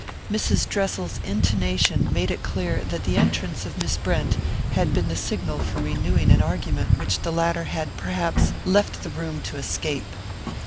Mrs. Dressel's intonation made it clear that the entrance of Miss Brent had been the signal for renewing an argument which the latter had perhaps left the room to escape.